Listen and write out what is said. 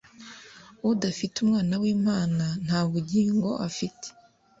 udafite Umwana w’Imana nta bugingo afite.